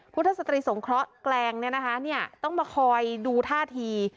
พุทธศตรีสงเคราะห์แกลงเนี่ยนะคะเนี่ยต้องมาคอยดูท่าที